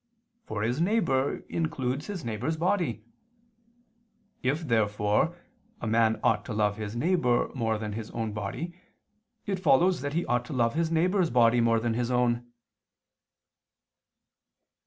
For his neighbor includes his neighbor's body. If therefore a man ought to love his neighbor more than his own body, it follows that he ought to love his neighbor's body more than his own.